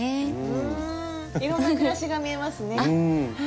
うんいろんな暮らしが見えますね。